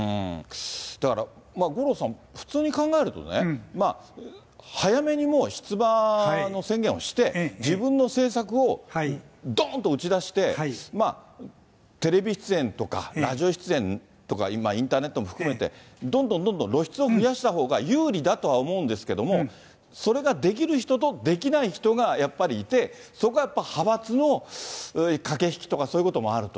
だから、五郎さん、普通に考えるとね、早めにもう出馬の宣言をして、自分の政策をどーんと打ち出して、テレビ出演とか、ラジオ出演とか、今、インターネットも含めて、どんどんどんどん露出を増やしたほうが有利だとは思うんですけども、それができる人とできない人がやっぱりいて、そこがやっぱり派閥の駆け引きとか、そういうこともあると。